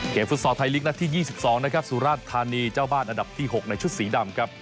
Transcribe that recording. ฟุตซอลไทยลีกนัดที่๒๒นะครับสุราชธานีเจ้าบ้านอันดับที่๖ในชุดสีดำครับ